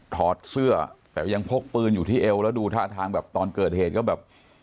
ถอดเสื้อแต่ยังพกปืนอยู่ที่เอวแล้วดูท่าทางแบบตอนเกิดเหตุก็แบบ